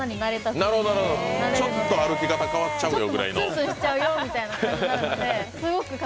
ちょっと歩き方変わっちゃうよみたいな。